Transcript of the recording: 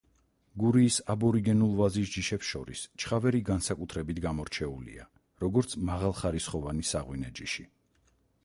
გურიის აბორიგენულ ვაზის ჯიშებს შორის ჩხავერი განსაკუთრებით გამორჩეულია, როგორც მაღალხარისხოვანი საღვინე ჯიში.